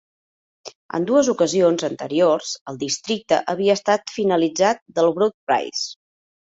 En dues ocasions anteriors, el districte havia estat finalista del Broad Prize.